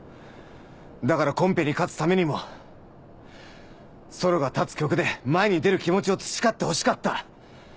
だからコンペに勝つためにもソロが立つ曲で前に出る気持ちを培ってほしかった。